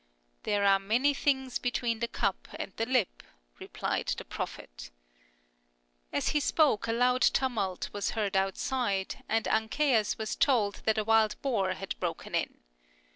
" There are many things between the cup and the lip," replied the prophet. As he spoke, a loud tumult was heard outside, and Ancaeus was told that a wild boar had broken in.